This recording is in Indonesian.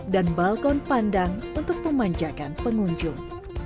dan balkon pandang untuk pemanjakan pengunjung